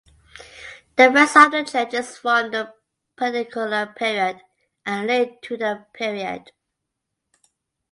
The rest of the church is from the Perpendicular period and late Tudor period.